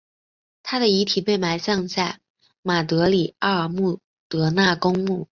她的遗体被埋葬在马德里阿尔穆德纳公墓。